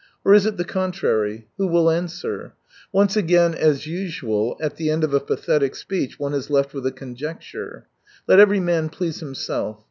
... Or is it the contrary ? Who will answer ! Once again, as usual, at the end of a pathetic speech one is left with a conjecture. Let every man please himself.